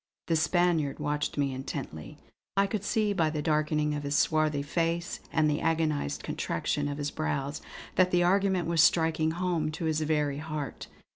The Spaniard watched me intently; I could see by the darkening of his swarthy face and the agonised contraction of his brows that the argument was striking home to his very heart.